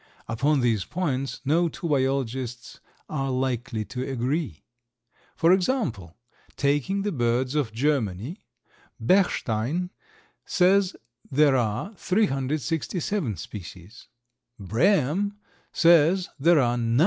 Upon these points no two biologists are likely to agree. For example, taking the birds of Germany, Bechstein says there are 367 species; Brehm says there are 900.